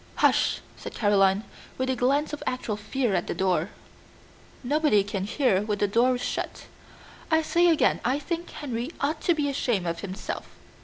"Hush," said Caroline, with a glance of actual fear at the closed door. "Nobody can hear with the door shut. I say again I think Henry ought to be ashamed of himself.